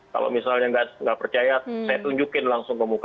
kalau misalnya nggak percaya saya tunjukin langsung ke muka